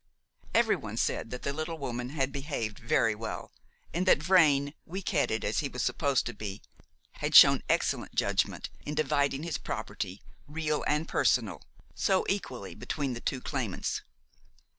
Every one said that the little woman had behaved very well, and that Vrain weak headed as he was supposed to be had shown excellent judgment in dividing his property, real and personal, so equally between the two claimants.